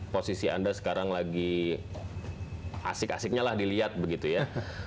posisi anda sekarang lagi asik asiknya lah dilihat begitu ya